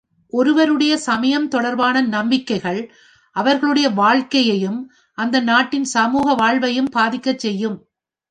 ஒருவருடைய சமயம் தொடர்பான நம்பிக்கைகள் அவர்களுடைய வாழ்க்கையையும் அந்த நாட்டின் சமூக வாழ்வையும் பாதிக்கச் செய்யும்.